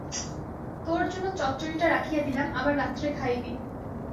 তোর জন্য চচ্চড়িটা রাখিয়া দিলাম, আবার রাত্রে খাইবি।